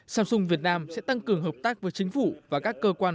samsung việt nam sẽ tăng cường hợp tác với chính phủ và các cơ quan